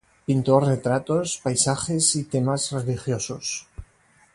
Pintó retratos, paisajes y temas religiosos.